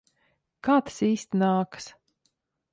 Kā tas īsti nākas?